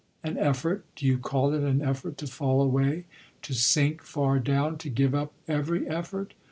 "An effort? Do you call it an effort to fall away, to sink far down, to give up every effort?